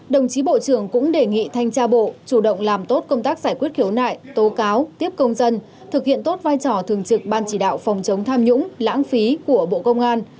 đồng chí bộ trưởng cũng đề nghị thanh tra bộ chủ động làm tốt công tác giải quyết khiếu nại tố cáo tiếp công dân thực hiện tốt vai trò thường trực ban chỉ đạo phòng chống tham nhũng lãng phí của bộ công an